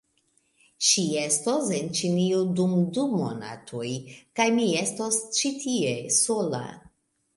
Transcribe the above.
... ŝi estos en Ĉinio, dum du monatoj, kaj mi estos ĉi tie, sola.